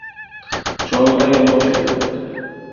Shoirlar yonboshlab yotdi.